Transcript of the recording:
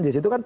jc itu kan